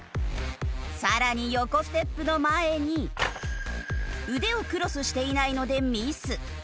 さらに横ステップの前に腕をクロスしていないのでミス。